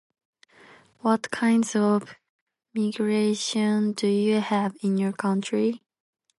What kinds of migration do you have in your country?